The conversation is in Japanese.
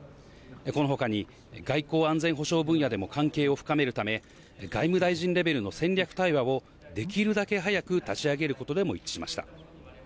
この他に外交・安全保障分野でも関係を深めるため、外務大臣レベルの戦略対話をできるだけ早く立ち上げることでも一致しました。